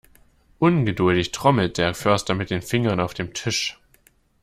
Ungeduldig trommelt der Förster mit den Fingern auf dem Tisch.